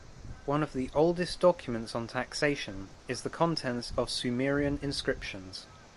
One of the oldest documents on taxation is the contents of Sumerian inscriptions.